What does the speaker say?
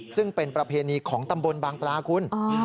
ซึ่งเป็นประเพณีของตำบลบางปลาคุณ